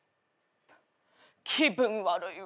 気分悪いわ。